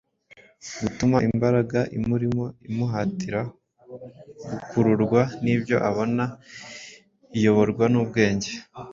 gutuma imbaraga imurimo imuhatira gukururwa n’ibyo abona iyoborwa n’ubwenge